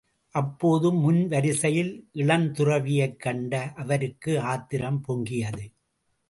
அப்போது முன்வரிசையில் இளந்துறவியைக் கண்ட அவருக்கு ஆத்திரம் பொங்கியது.